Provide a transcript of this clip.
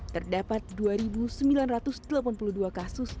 terdapat dua sembilan ratus delapan puluh dua kasus